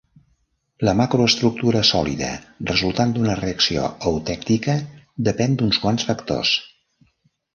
La macroestructura sòlida resultant d'una reacció eutèctica depèn d'uns quants factors.